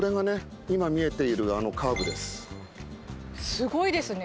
すごいですね。